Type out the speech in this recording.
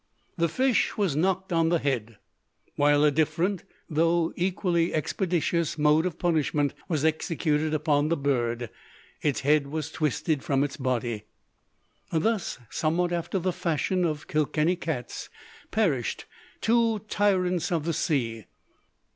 The fish was knocked on the head; while a different, though equally expeditious, mode of punishment was executed upon the bird. Its head was twisted from its body! Thus, somewhat after the fashion of Kilkenny cats, perished two tyrants of the sea.